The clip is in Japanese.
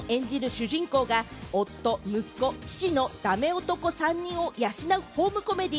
主人公が、夫、息子、父のダメ男３人を養うホームコメディ。